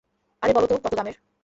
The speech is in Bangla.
আরে বলো তো, কতো দামের?